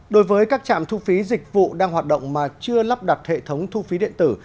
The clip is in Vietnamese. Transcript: đối với các trạm thu phí dịch vụ đang hoạt động mà chưa lắp đặt hệ thống thu phí điện tử